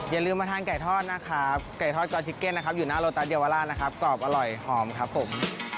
อย่าลืมมาทานไก่ทอดนะครับไก่ทอดกอทิเก็ตนะครับอยู่หน้าโลตัสเยาวราชนะครับกรอบอร่อยหอมครับผม